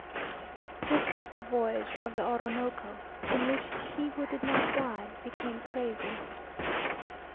"This is the voyage of the Orinoco, in which he who did not die, became crazy."